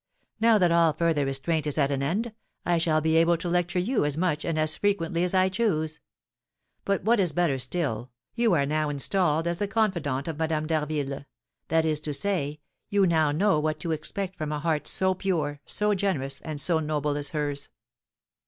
Now that all further restraint is at an end, I shall be able to lecture you as much and as frequently as I choose. But, what is better still, you are now installed as the confidant of Madame d'Harville, that is to say, you now know what to expect from a heart so pure, so generous, and so noble as hers."